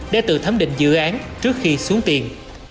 để tự thẩm định dự án trước khi xuống tiền